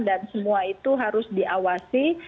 dan semua itu harus diawasi